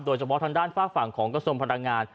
โดยเฉพาะทางด้านฝากฝั่งของกระทรงพลังงาน